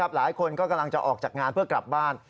หลายคนก็กำลังจะออกจากงานเพื่อกลับบ้าน